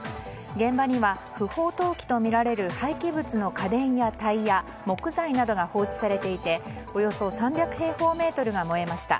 現場には不法投棄とみられる廃棄物の家電やタイヤ、木材などが放置されていておよそ３００平方メートルが燃えました。